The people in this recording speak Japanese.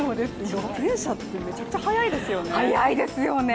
自転車って、めちゃくちゃ速いですよね。